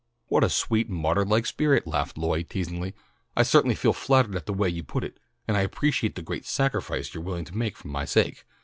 "What a sweet martyr like spirit!" laughed Lloyd, teasingly. "I certainly feel flattered at the way you put it, and I appreciate the great sacrifice you're willing to make for my sake.